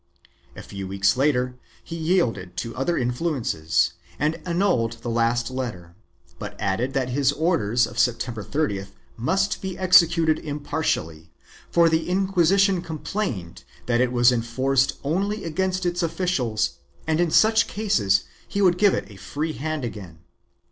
A few weeks later he yielded to other influences and annulled the last letter, but added that his orders of September 30th must be executed impartially, for the Inquisition complained that it was enforced only against its officials and in such case he would give it a free hand again.